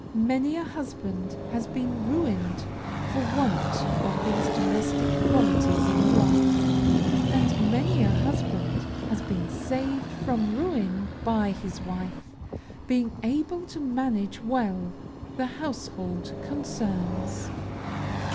Many a husband has been ruined for want of these domestic qualities in a wife and many a husband has been saved from ruin by his wife being able to manage well the household concerns.